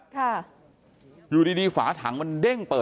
กลุ่มตัวเชียงใหม่